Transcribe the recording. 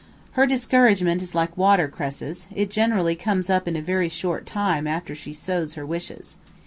Her discouragement is like water cresses, it generally comes up in a very short time after she sows her wishes.